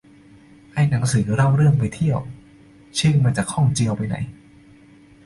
ไอ้หนังสือเล่าเรื่องไปเที่ยว ชื่อมันจะคล้องเจียวไปไหน